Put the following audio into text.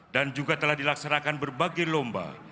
dan juga telah dilaksanakan berbagai lomba